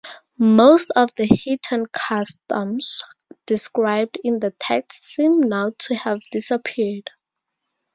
Most of the heathen customs described in the text seem now to have disappeared.